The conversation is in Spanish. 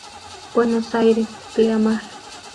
Buenos Aires: Pleamar.